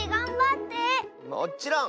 もっちろん！